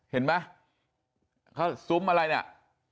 เห็นไหมเขาซุ้มอะไรเนี่ย